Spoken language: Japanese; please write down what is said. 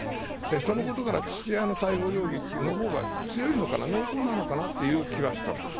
そのことから父親の逮捕容疑のほうが強いのかな、濃厚なのかなという気はしたんです。